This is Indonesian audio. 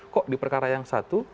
kok di perkara yang satu